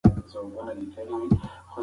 د تاریخ په اوږدو کې ځینې داسې لیکنې هم شته،